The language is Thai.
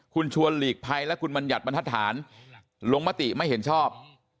คุณชวนหลีกภัยและคุณบัญญัติบรรทัศน์ลงมติไม่เห็นชอบ